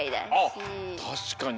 あったしかに。